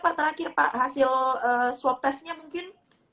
pak terakhir pak hasil swab testnya mungkin